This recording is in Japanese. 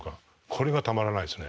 これがたまらないですね。